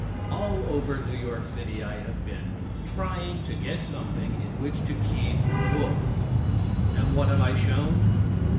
All over New York city I have been, trying to get something in which to keep books. And what am I shown?